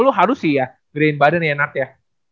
lu harus sih ya gedein badan ya nart ya